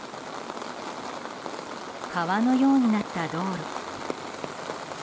川のようになった道路。